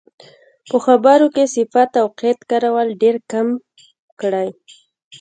په خبرو کې صفت او قید کارول ډېرکم کړئ.